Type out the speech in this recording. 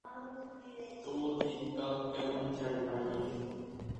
এর শীর্ষ পর্যায়ের প্রশাসন ব্যবস্থা প্রধান নগর বা রাজধানী থেকে সরাসরি নিয়ন্ত্রণ করা হয়ে থাকে।